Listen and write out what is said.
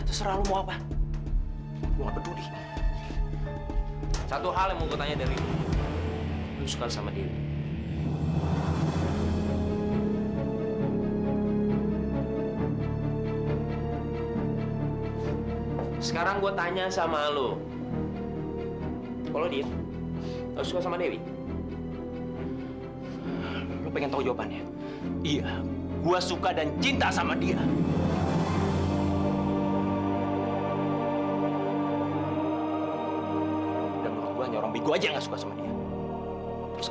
terus kenapa lu tanya seperti itu